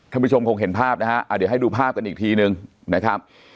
ผู้ชมคงเห็นภาพนะฮะเดี๋ยวให้ดูภาพกันอีกทีนึงนะครับ